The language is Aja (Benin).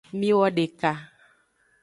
Miwodeka.